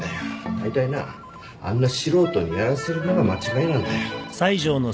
だいたいなあんな素人にやらせるのが間違いなんだよ。